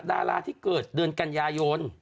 ดาราที่เกิดเดือนกันยายน